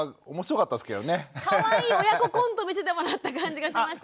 かわいい親子コント見せてもらった感じがしましたけど。